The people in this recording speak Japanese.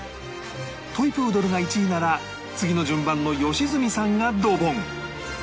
トイ・プードルが１位なら次の順番の良純さんがドボン